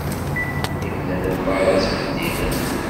Imdanen meṛṛa ttbeddilen.